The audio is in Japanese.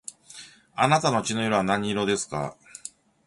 あなたの血の色は何色ですか